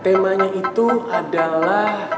temanya itu adalah